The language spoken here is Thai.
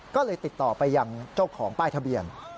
ก็เลยติดต่อไปยังเจ้าของป้ายทะเบียน